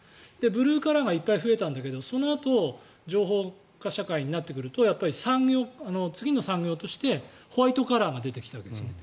ブルーカラーがいっぱい増えたんだけどそのあと情報化社会になってくるとやっぱり次の産業としてホワイトカラーが出てきたわけですね。